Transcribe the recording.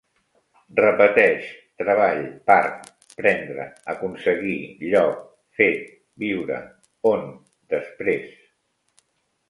Repeteix: treball, part, prendre, aconseguir, lloc, fet, viure, on, després